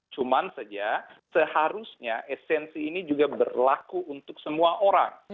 cuman saja seharusnya esensi ini juga berlaku untuk semua orang